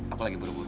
aku lagi buru buru